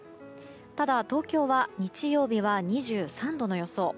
ただ東京は日曜日は２３度の予想。